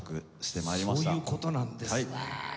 そういう事なんですね。